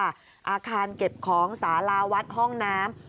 อาคารเก็บของสาราวัดห้องน้ำ